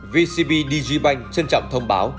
vcb digibank trân trọng thông báo